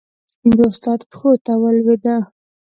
د استاد پښو ته ولوېده.